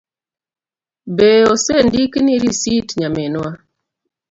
Be osendikni risit nyaminwa?